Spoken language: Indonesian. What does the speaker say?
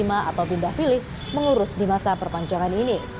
atau pindah pilih mengurus di masa perpanjangan ini